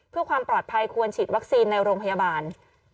เพื่อความปลอดภัยควรฉีดวัคซีนในโรงพยาบาล